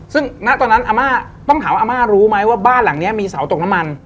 ซึ่งณตอนนั้นอาม่าต้องถามว่าอาม่ารู้ไหมว่าบ้านหลังนี้มีเสาตกน้ำมัน